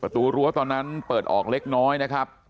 ประตูรั้วตอนนั้นเปิดออกเล็กน้อยนะครับ